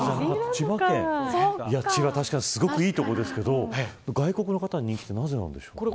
千葉は確かにすごくいい所ですけど外国の方に人気なのはなぜなんでしょう。